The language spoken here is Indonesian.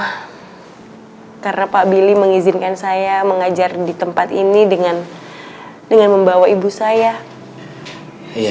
hai karena pak billy mengizinkan saya mengajar di tempat ini dengan dengan membawa ibu saya iya